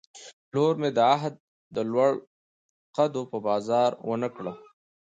پلور مې د عهد، د لوړ قدو په بازار ونه کړ